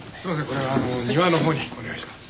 これは庭のほうにお願いします。